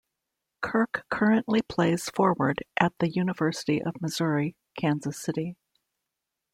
Kirk currently plays forward at the University of Missouri-Kansas City.